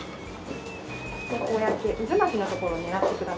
こうやって渦巻きのところを狙ってください。